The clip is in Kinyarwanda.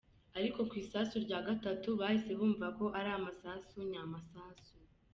Ariko ku isasu rya gatatu bahise bumva ko ari amasasu nya masasu.